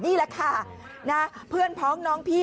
นี่แหละค่ะเพื่อนพ้องน้องพี่